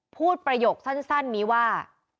ประโยคสั้นนี้ว่า